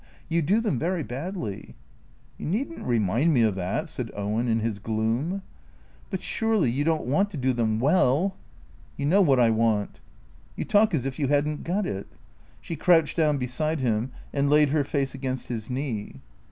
You do them very badly." " You need n't remind me of that," said Owen in his gloom. " But, surely, you don't want to do them well ?" You know what I want." " You talk as if you had n't got it." She crouched down beside him and laid her face against his knee.